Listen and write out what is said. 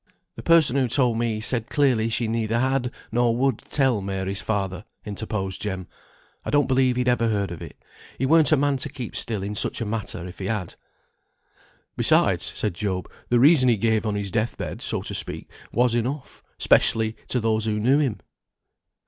"The person who told me said clearly she neither had, nor would tell Mary's father," interposed Jem. "I don't believe he'd ever heard of it; he weren't a man to keep still in such a matter, if he had." "Besides," said Job, "the reason he gave on his death bed, so to speak, was enough; 'specially to those who knew him."